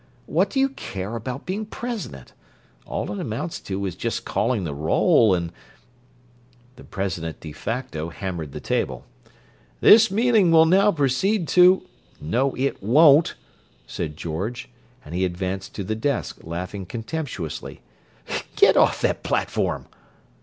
What do you care about being president? All it amounts to is just calling the roll and—" The president de facto hammered the table. "This meeting will now proceed to—" "No, it won't," said George, and he advanced to the desk, laughing contemptuously. "Get off that platform."